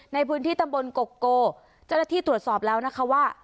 ในพื้นที่ตำบลกกโกเจ้าหน้าที่ตรวจสอบแล้วนะคะว่า